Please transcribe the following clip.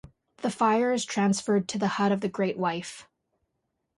The fire is transferred to the hut of the great wife.